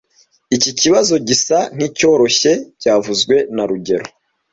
Iki kibazo gisa nkicyoroshye byavuzwe na rugero